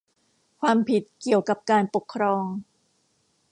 ความผิดเกี่ยวกับการปกครอง